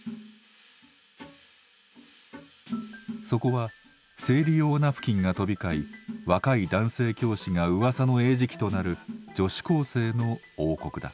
そこは生理用ナプキンが飛び交い若い男性教師がうわさの餌食となる女子高生の王国だ。